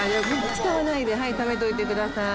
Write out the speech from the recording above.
使わないでためといてください。